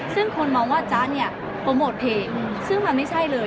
ซึ่งคนมองว่าจ๊ะเนี่ยโปรโมทเพลงซึ่งมันไม่ใช่เลย